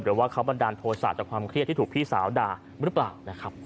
หรือว่าเขาบันดาลโทษะจากความเครียดที่ถูกพี่สาวด่าหรือเปล่านะครับ